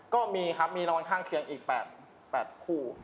ก็มีครับมีนอนข้างเคียงอีก๘คู่